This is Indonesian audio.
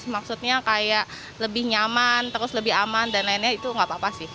maksudnya kayak lebih nyaman terus lebih aman dan lainnya itu nggak apa apa sih